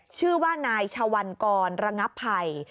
ชื่อว่านายชวัลกรระงับภัย